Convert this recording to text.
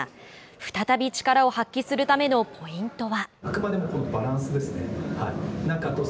再び力を発揮するためのポイントは。